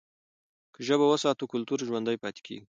که ژبه وساتو، کلتور ژوندي پاتې کېږي.